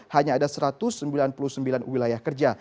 hanya ada satu ratus sembilan puluh sembilan wilayah kerja